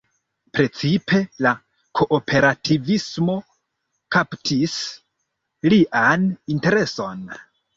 Precipe la kooperativismo kaptis lian intereson.